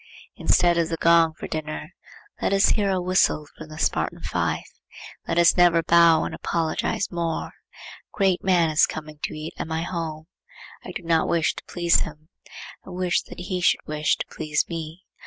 Instead of the gong for dinner, let us hear a whistle from the Spartan fife. Let us never bow and apologize more. A great man is coming to eat at my house. I do not wish to please him; I wish that he should wish to please me.